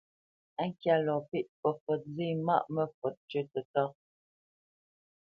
Á ŋkyá lɔ pâʼ, fəfǒt zê maʼ məfǒt tʉ́ tətá.